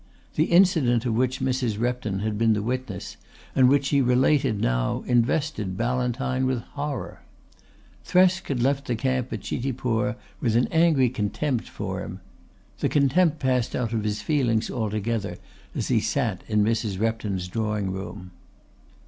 The incident of which Mrs. Repton had been the witness, and which she related now, invested Ballantyne with horror. Thresk had left the camp at Chitipur with an angry contempt for him. The contempt passed out of his feelings altogether as he sat in Mrs. Repton's drawing room.